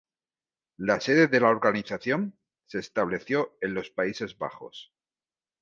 La sede de la organización se estableció en los Países Bajos.